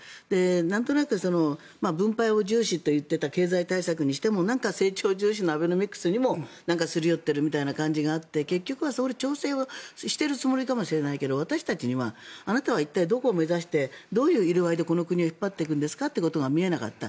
なんとなく分配を重視といっていた経済対策にしても、成長重視のアベノミクスにもすり寄っているみたいな感じがあって結局はそこで調整をしているつもりかもしれないけど私たちにはあなたは一体どこを目指してどういう色合いでこの国を引っ張っていくかが見えなかった。